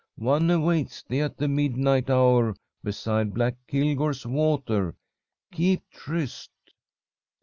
One awaits thee at the midnight hour beside black Kilgore's water. Keep tryst!'